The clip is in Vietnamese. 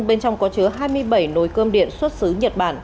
bên trong có chứa hai mươi bảy nồi cơm điện xuất xứ nhật bản